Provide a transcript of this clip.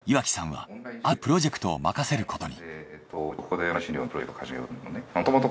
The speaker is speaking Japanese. その今井さんに岩城さんはあるプロジェクトを任せることに。